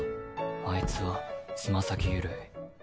あいつはつま先緩い。